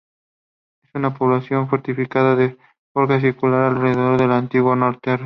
Es una población fortificada de forma circular, alrededor de la antigua torre.